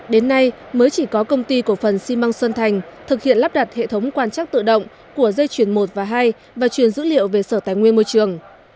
đến nay mới chỉ có công ty cổ phần xi măng xuân thành thực hiện lắp đặt hệ thống quan chắc tự động của dây chuyển một và hai và truyền dữ liệu về sở tài nguyên môi trường